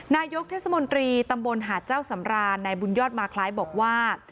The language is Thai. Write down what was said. นายกเทศมนตรีตำบลหาดเจ้าสำรานนายบุญยอดมาคล้ายบอกว่า